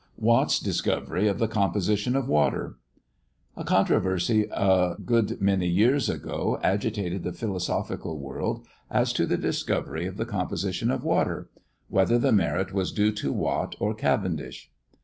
WATT'S DISCOVERY OF THE COMPOSITION OF WATER. A controversy a good many years ago agitated the philosophical world, as to the discovery of the Composition of Water whether the merit was due to Watt or Cavendish.